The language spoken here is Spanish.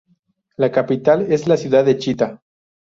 La capital es la ciudad de Chitá.